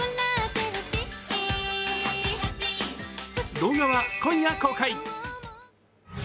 動画は今夜公開。